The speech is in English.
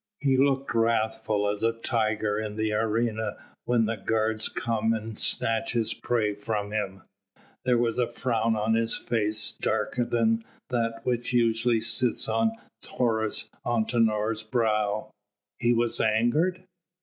"He looked wrathful as a tiger in the arena when the guards come and snatch his prey from him. There was a frown on his face darker than that which usually sits on Taurus Antinor's brow." "He was angered?"